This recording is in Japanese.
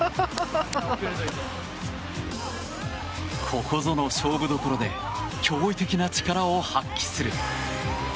ここぞの勝負どころで驚異的な力を発揮する。